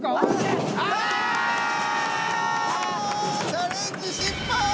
チャレンジ失敗！